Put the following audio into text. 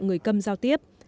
người cầm giao tiếp